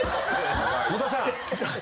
野田さん！